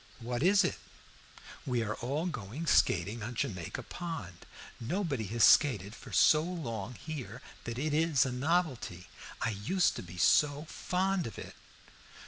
"What is it?" "We are all going skating on Jamaica Pond. Nobody has skated for so long here that it is a novelty. I used to be so fond of it."